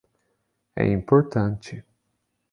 É importante